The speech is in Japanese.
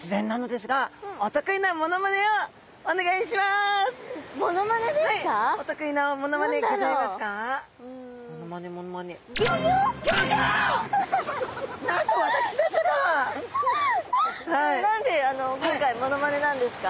でも何で今回モノマネなんですか？